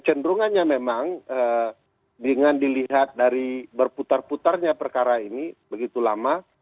cenderungannya memang dengan dilihat dari berputar putarnya perkara ini begitu lama